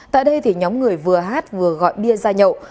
tại đây thì nhóm người vừa hát vừa gọi bia ra nhậu